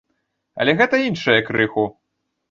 Але гэта іншае крыху.